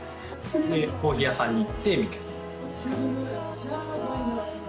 でコーヒー屋さんに行って。